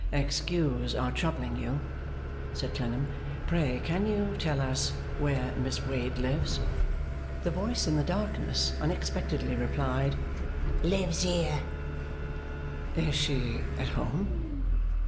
'Excuse our troubling you,' said Clennam. 'Pray can you tell us where Miss Wade lives?' The voice in the darkness unexpectedly replied, 'Lives here.' 'Is she at home?